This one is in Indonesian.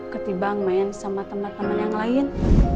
ketimbang main sama teman teman yang lain